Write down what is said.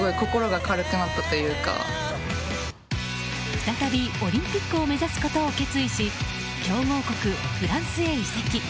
再びオリンピックを目指すことを決意し強豪国フランスへ移籍。